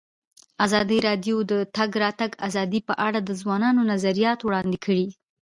ازادي راډیو د د تګ راتګ ازادي په اړه د ځوانانو نظریات وړاندې کړي.